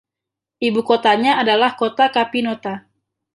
Ibukotanya adalah kota Capinota.